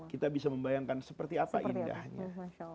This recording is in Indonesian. kita bisa membayangkan seperti apa indahnya